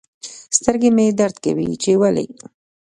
سترګي مي درد کوي چي ولي